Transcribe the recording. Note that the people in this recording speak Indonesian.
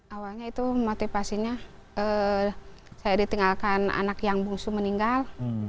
awalnya itu motivasinya saya ditinggalkan anak yang bungsu meninggal